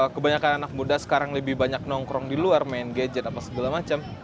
kebanyakan anak muda sekarang lebih banyak nongkrong di luar main gadget apa segala macam